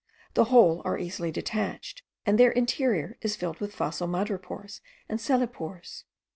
The whole are easily detached, and their interior is filled with fossil madrepores and cellepores.